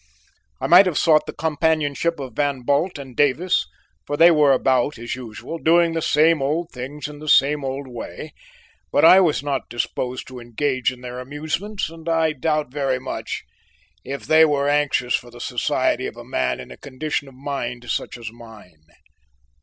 I might have sought the companionship of Van Bult and Davis, for they were about as usual, doing the same old things in the same old way, but I was not disposed to engage in their amusements and I doubt much if they were anxious for the society of a man in a condition of mind such as mine.